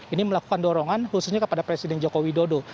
ini melakukan dorongan khususnya kepada presiden joko widodo